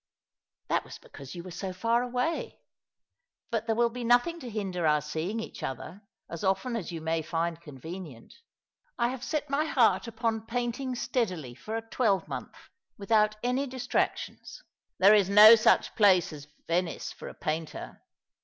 " That was because you were so far away. But there will be nothing to hinder our seeing each other, as often as you may find convenient. I have set my heart upon painting steadily for a twelvemonth, without any distractions." " There is no such place as Venice for a painter.